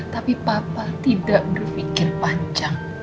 tapi papa tidak berpikir panjang